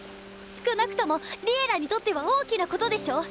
少なくとも「Ｌｉｅｌｌａ！」にとっては大きなことでしょ？